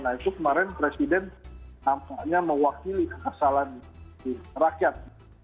nah itu kemarin presiden tampaknya mewakili kesalahan rakyat